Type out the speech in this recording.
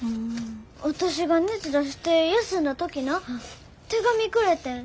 私が熱出して休んだ時な手紙くれてん。